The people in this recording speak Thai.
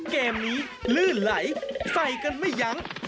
เกมนี้ลื่นไหลใส่กันไม่ยั้ง